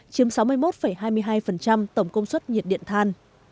chiếm sáu mươi một hai mươi hai tổng công suất nhiệt điện than